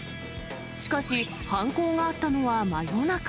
しかし、犯行があったのは真夜中。